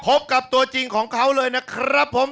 พบกับตัวจริงของเขาเลยนะครับผม